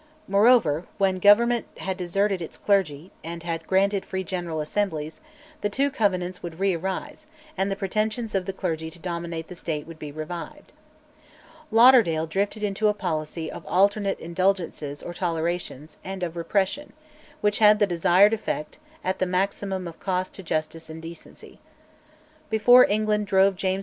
Moreover, when Government had deserted its clergy, and had granted free General Assemblies, the two Covenants would re arise, and the pretensions of the clergy to dominate the State would be revived. Lauderdale drifted into a policy of alternate "Indulgences" or tolerations, and of repression, which had the desired effect, at the maximum of cost to justice and decency. Before England drove James II.